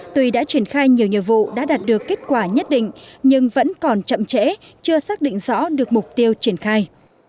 tuy đã triển khai nhiều nhiệm vụ đã đạt được kết quả nhất định nhưng vẫn còn chậm trễ chưa xác định rõ được mục tiêu triển khai